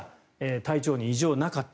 体調に異常はなかった。